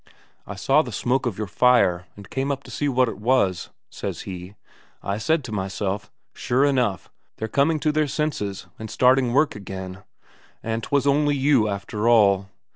"I saw the smoke of your fire, and came up to see what it was," says he. "I said to myself, 'Sure enough, they're coming to their senses, and starting work again.' And 'twas only you, after all!